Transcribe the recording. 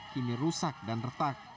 kini rusak dan retak